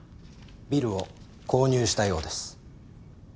ビルを購入したようです。